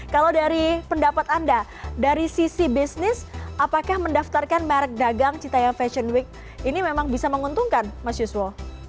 kalau dari pendapat anda dari sisi bisnis apakah mendaftarkan merek dagang citayam fashion week ini memang bisa menguntungkan mas yuswo